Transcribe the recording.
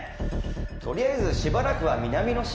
とりあえずしばらくは南の島にでも